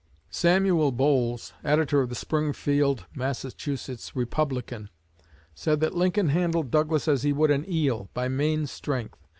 Samuel Bowles, editor of the Springfield (Mass.) "Republican," said that Lincoln "handled Douglas as he would an eel by main strength.